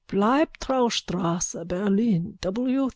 _ Bleibtreustrasse, Berlin, W.